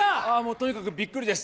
とにかくびっくりです。